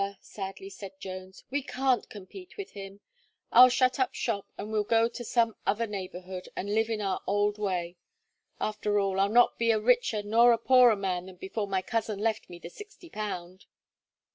sadly said Jones; "we can't compete with him. I'll shut up shop, and we'll go to some other neighbourhood, and live in our old way. After all, I'll not be a richer nor a poorer man than before my cousin left me the sixty pound."